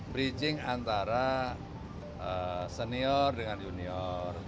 bridging antara senior dengan junior